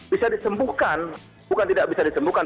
bisa disembuhkan bukan tidak bisa disembuhkan